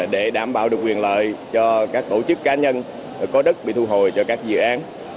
để đảm bảo được quyền lợi cho các tổ chức cá nhân có đất bị thu hồi cho các dự án